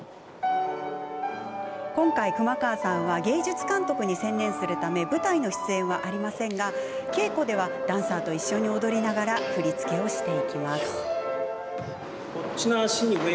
今回、熊川さんは芸術監督に専念するため舞台の出演はありませんが稽古では、ダンサーと一緒に踊りながら振り付けをしていきます。